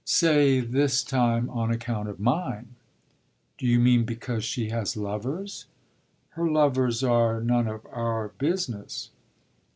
"Say this time on account of mine." "Do you mean because she has lovers?" "Her lovers are none of our business."